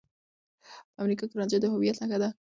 په امريکا کې رانجه د هويت نښه ده.